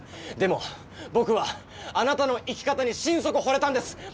でも僕はあなたの生き方に心底ほれたんです。